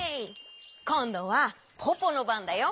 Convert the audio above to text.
こんどはポポのばんだよ。